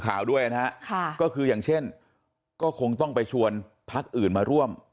ข่าวด้วยนะฮะค่ะก็คืออย่างเช่นก็คงต้องไปชวนพักอื่นมาร่วม